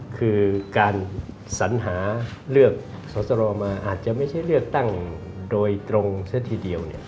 คือการสัญหาเลือกสอสรมาอาจจะไม่ใช่เลือกตั้งโดยตรงซะทีเดียว